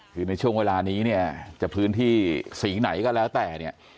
คือในช่วงเวลานี้จะพื้นที่สีไหนก็แล้วแต่